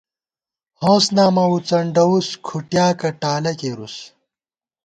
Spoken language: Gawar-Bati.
ہونس نامہ وُڅنڈَوُس کھُٹیاکہ ٹالہ کېرُوس